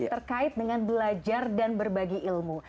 terkait dengan belajar dan berbagi ilmu